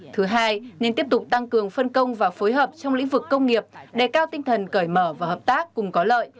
thứ hai nên tiếp tục tăng cường phân công và phối hợp trong lĩnh vực công nghiệp đề cao tinh thần cởi mở và hợp tác cùng có lợi